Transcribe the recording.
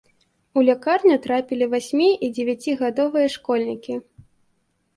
У лякарню трапілі васьмі- і дзевяцігадовыя школьнікі.